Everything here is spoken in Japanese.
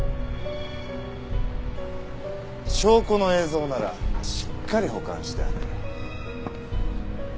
証拠の映像ならしっかり保管してある。